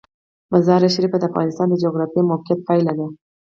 مزارشریف د افغانستان د جغرافیایي موقیعت پایله ده.